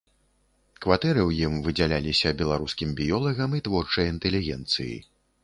Кватэры ў ім выдзяліся беларускім біёлагам і творчай інтэлігенцыі.